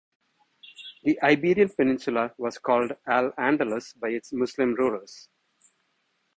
The Iberian Peninsula was called Al-Andalus by its Muslim rulers.